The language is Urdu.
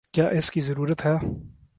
کیا اس کی ضرورت ہے؟